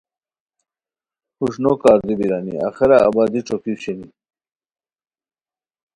ہوݰ نو کاردو بیرانی آخرہ آبادی ݯوکی شینی